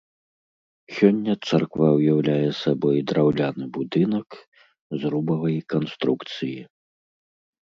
Сёння царква ўяўляе сабой драўляны будынак, зрубавай канструкцыі.